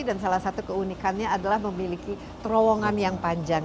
dan salah satu keunikannya adalah memiliki terowongan yang panjang